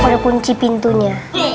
aku ada punci pintunya